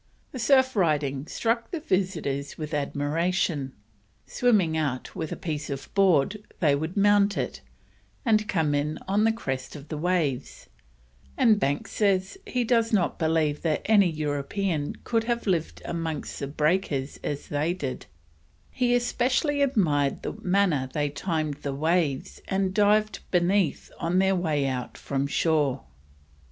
The surf riding struck the visitors with admiration. Swimming out with a piece of board they would mount it, and come in on the crests of the waves; and Banks says he does not believe that any European could have lived amongst the breakers as they did; he especially admired the manner they timed the waves and dived beneath on their way out from shore.